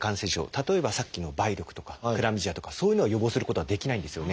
例えばさっきの梅毒とかクラミジアとかそういうのを予防することはできないんですよね。